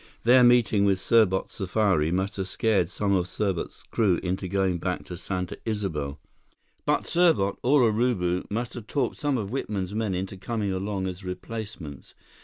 Their meeting with Serbot's safari must have scared some of Serbot's crew into going back to Santa Isabel. But Serbot or Urubu must have talked some of Whitman's men into coming along as replacements.